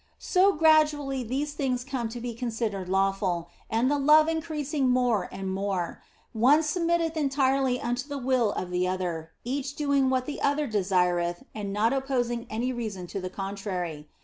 So gradually these things come to be considered lawful, and, the love increasing more and more, one submitteth entirely unto the will of the other, each doing what the other desireth and not opposing any reason to the contrary.